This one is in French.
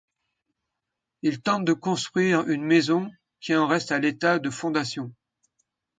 Il tente de construire une maison qui en reste à l’état de fondations.